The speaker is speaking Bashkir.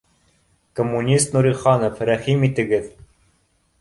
— Коммунист Нуриханов, рәхим итегеҙ